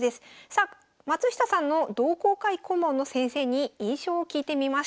さあ松下さんの同好会顧問の先生に印象を聞いてみました。